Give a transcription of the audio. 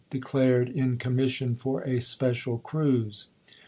declared in commission for a special cruise.